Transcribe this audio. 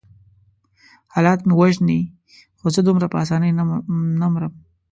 حالات مې وژني خو زه دومره په آسانۍ نه مرم.